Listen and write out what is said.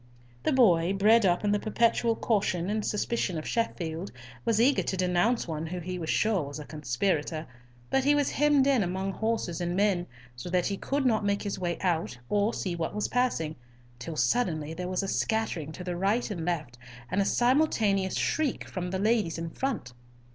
The boy, bred up in the perpetual caution and suspicion of Sheffield, was eager to denounce one who he was sure was a conspirator; but he was hemmed in among horses and men, so that he could not make his way out or see what was passing, till suddenly there was a scattering to the right and left, and a simultaneous shriek from the ladies in front.